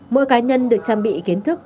mỗi cá nhân được trang bị kiến thức